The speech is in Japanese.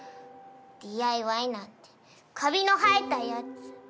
ＤＩＹなんてカビの生えたやつ。